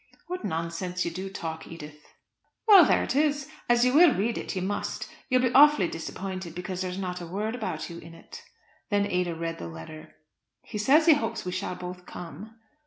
"What nonsense you do talk, Edith." "Well, there it is. As you will read it, you must. You'll be awfully disappointed, because there is not a word about you in it." Then Ada read the letter. "He says he hopes we shall both come."